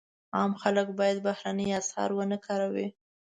عام خلک باید بهرني اسعار ونه کاروي.